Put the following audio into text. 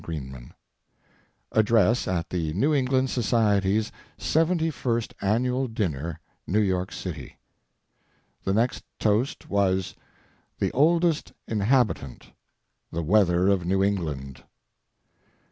THE WEATHER ADDRESS AT THE NEW ENGLAND SOCIETY'S SEVENTY FIRST ANNUAL DINNER, NEW YORK CITY The next toast was: "The Oldest Inhabitant The Weather of New England."